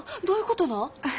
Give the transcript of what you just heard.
どういうことなん？